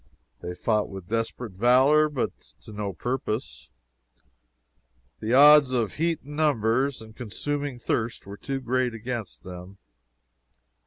They fought with desperate valor, but to no purpose; the odds of heat and numbers, and consuming thirst, were too great against them.